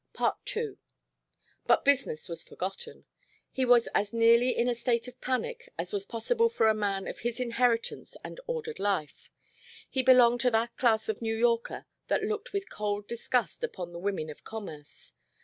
II But business was forgotten. He was as nearly in a state of panic as was possible for a man of his inheritance and ordered life. He belonged to that class of New Yorker that looked with cold disgust upon the women of commerce.